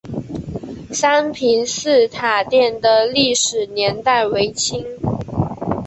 三平寺塔殿的历史年代为清。